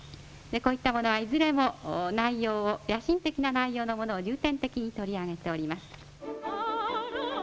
こういったものはいずれも内容を野心的な内容のものを重点的に取り上げております。